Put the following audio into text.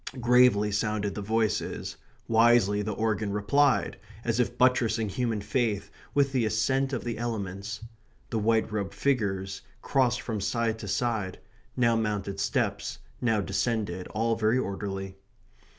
Gravely sounded the voices; wisely the organ replied, as if buttressing human faith with the assent of the elements. The white robed figures crossed from side to side; now mounted steps, now descended, all very orderly.